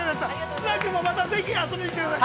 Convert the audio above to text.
綱君も、またぜひ遊びにきてください。